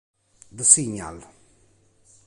The Signal